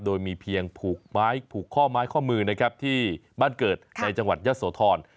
โดยมีเพียงผูกข้อม้ายข้อมือนะครับที่บ้านเกิดในจังหวัดยศโทร